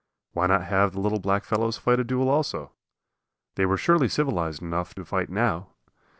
Why not have the little black fellows fight a duel also? They were surely civilized enough to fight now!